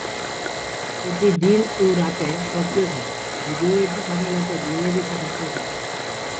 এটি দিন ও রাতে সক্রিয় থাকে, যদিও এটি সাধারণত দিনে বেশি সক্রিয় থাকে।